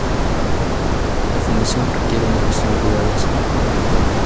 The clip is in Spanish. La fundación requiere una gestión cuidadosa.